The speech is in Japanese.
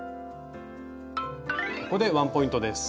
ここでワンポイントです！